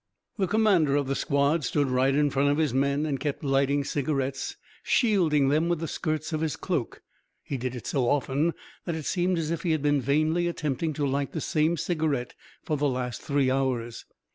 The commander of the squad stood right in front of his men and kept lighting cigarettes shielding them with the skirts of his cloak. He did it so often that it seemed as if he had been vainly attempting to light the same cigarette for the last three hours.